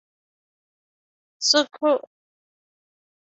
Sauerkraut was dubbed "liberty cabbage", and dachshunds "liberty hounds".